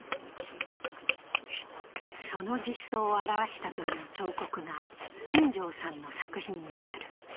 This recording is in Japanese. その実相を表したという彫刻が金城山の作品にある。